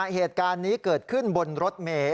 เหตุการณ์นี้เกิดขึ้นบนรถเมย์